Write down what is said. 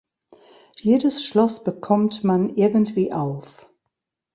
Jedes Schloss bekommt man irgendwie auf.